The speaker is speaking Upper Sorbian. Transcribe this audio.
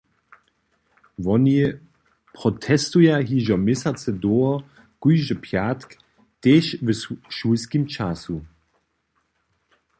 Woni protestuja hižo měsacy dołho kóždy pjatk, tež w šulskim času.